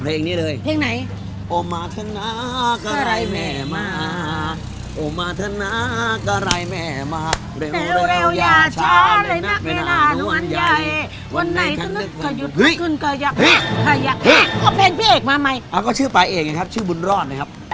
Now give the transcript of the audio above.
ยิ่งโดนไม่ติดหวังแน่นอน